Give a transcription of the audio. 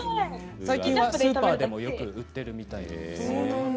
最近ではスーパーでもよく売っているみたいです。